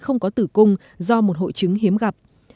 không có tử cung do một hội chứng hiếm gặp